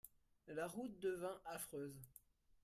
La route devint affreuse.